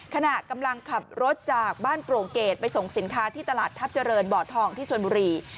ขณะกำลังขับรถจากบ้านโปร่งเกรดไปส่งสินค้าที่ตลาดทัพเจริญบ่อทองที่ชนบุรี